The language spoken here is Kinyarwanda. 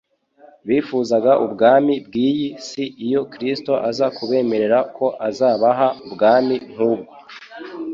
Bifuzaga ubwami bw’iyi si. Iyo Kristo aza kubemerera ko azabaha ubwami nk’ubwo,